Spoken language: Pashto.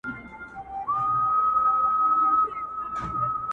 څه به زر کلونه د خیالي رستم کیسه کوې،